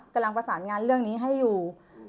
กำลังประสานงานเรื่องนี้ให้อยู่